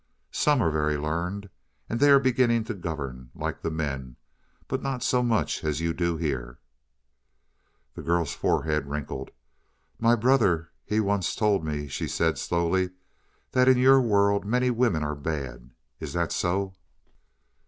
"Some are very learned. And they are beginning to govern, like the men; but not so much as you do here." The girl's forehead wrinkled. "My brother he once told me," she said slowly, "that in your world many women are bad. Is that so?"